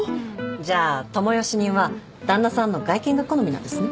じゃあ智代主任は旦那さんの外見が好みなんですね。